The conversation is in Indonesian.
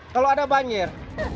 kalau ada banjir